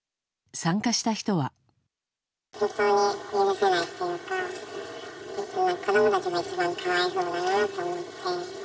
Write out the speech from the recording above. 本当に許せないというか、子どもたちが一番かわいそうだなと思って。